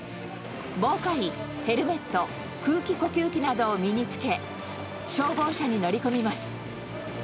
防火着、ヘルメット、空気呼吸器などを身につけ、消防車に乗り込みます。